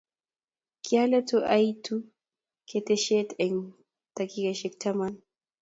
Kialetu aitu ketesyet eng takikaisiek taman